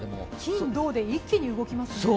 金・土で一気に動きますか。